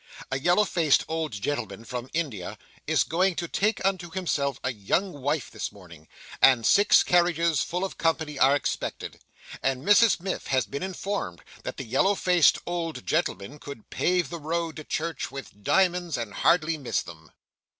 A yellow faced old gentleman from India, is going to take unto himself a young wife this morning, and six carriages full of company are expected, and Mrs Miff has been informed that the yellow faced old gentleman could pave the road to church with diamonds and hardly miss them.